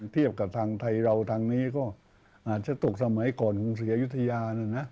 เทียบกับทางไทยเราทางนี้ก็อาจจะตกสมัยก่อนของศรีอยุธยานะ